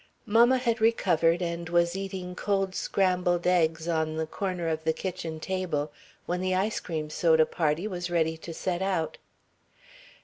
Mamma had recovered and was eating cold scrambled eggs on the corner of the kitchen table when the ice cream soda party was ready to set out.